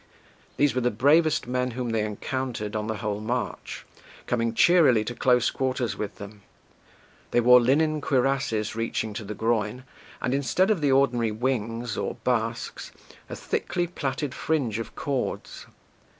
These were the bravest men whom they encountered on the whole march, coming cheerily to close quarters with them. They wore linen cuirasses reaching to the groin, and instead of the ordinary "wings" or basques, a thickly plaited fringe of cords.